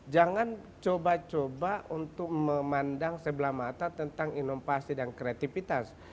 jangan coba coba untuk memandang sebelah mata tentang inovasi dan kreativitas